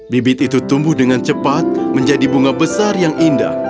bibit itu tumbuh dengan cepat menjadi bunga besar yang indah